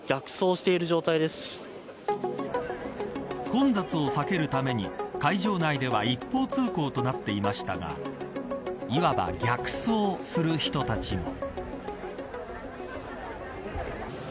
混雑を避けるために会場内では一方通行となっていましたがいわば逆走する人たちも。